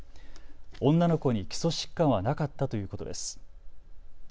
女の子に基礎疾患はなかったということです。